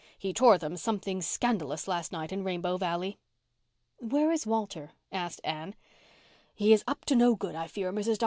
He tore them something scandalous last night in Rainbow Valley." "Where is Walter?" asked Anne. "He is up to no good, I fear, Mrs. Dr.